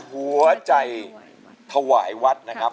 หัวใจถวายวัดนะครับ